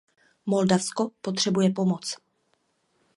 Moldavsko potřebuje pomoc.